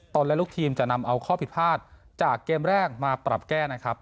และลูกทีมจะนำเอาข้อผิดพลาดจากเกมแรกมาปรับแก้นะครับ